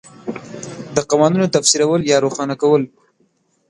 د قوانینو تفسیرول یا روښانه کول